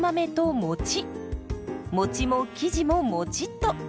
もちも生地ももちっと。